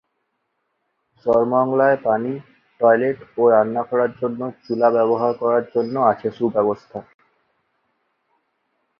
সরমংলায় পানি, টয়লেট ও রান্না করার জন্য চুলা ব্যবহার করার জন্য আছে সুব্যবস্থা।